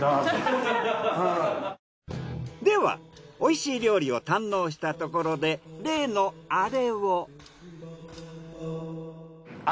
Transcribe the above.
では美味しい料理を堪能したところで例のアレを。